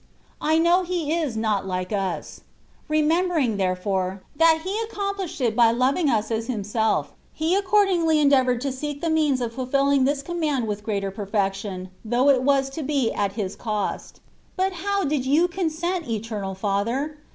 I know He is not like us. Remem bering, therefore, that He accomplished it by loving us as Himself, He accordingly endeavoured to seek the means of fulfilling this command with greater perfection, though it was to be at His cost. But how did you consent. Eternal Father?